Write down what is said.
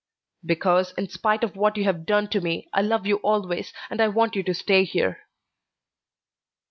"Because, in spite of what you have done to me, I love you always, and I want you to stay here."